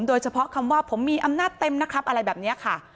โดยเฉพาะคำว่าผมมีอำนาจเต็มนะครับอะไรแบบนี้ค่ะ